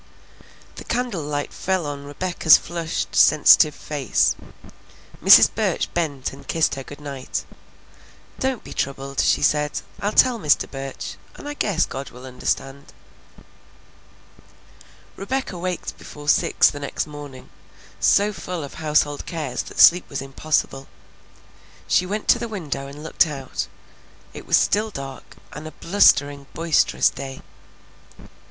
The candle light fell on Rebecca's flushed, sensitive face. Mrs. Burch bent and kissed her good night. "Don't be troubled," she said. "I'll tell Mr. Burch, and I guess God will understand." Rebecca waked before six the next morning, so full of household cares that sleep was impossible. She went to the window and looked out; it was still dark, and a blustering, boisterous day.